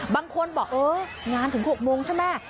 บางคนบอกเอองานถึง๖โมงใช่ไหม